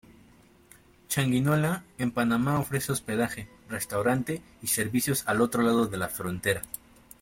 Changuinola, en Panamá, ofrece hospedaje, restaurantes y servicios al otro lado de la frontera.